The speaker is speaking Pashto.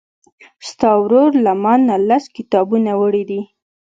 ستا ورور له مانه لس کتابونه وړي دي.